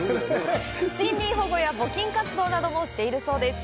森林保護や募金活動などもしているそうです。